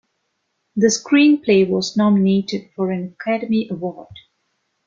The screenplay was nominated for an Academy Award.